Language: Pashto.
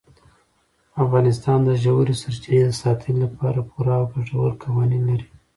افغانستان د ژورې سرچینې د ساتنې لپاره پوره او ګټور قوانین لري.